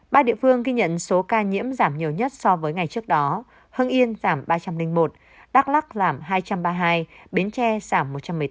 ba địa phương ghi nhận số ca nhiễm giảm nhiều nhất so với ngày trước đó hưng yên giảm ba trăm linh một đắk lắc giảm hai trăm ba mươi hai bến tre giảm một trăm một mươi tám